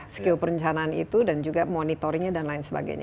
skill perencanaan itu dan juga monitoringnya dan lain sebagainya